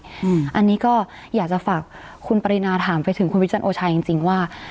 อันนี้ก็อยากจะฝากคุณปรินาถามไปถึงคุณวิจันทร์โอชาจริงจริงว่า